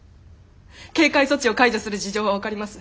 警戒措置を解除する事情は分かります。